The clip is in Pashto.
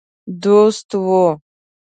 دوست وو.